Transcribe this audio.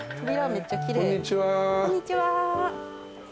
こんにちは。